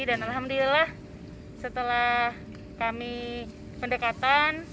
dan alhamdulillah setelah kami pendekatan